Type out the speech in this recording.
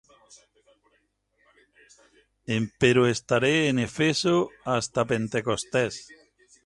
Empero estaré en Efeso hasta Pentecostés;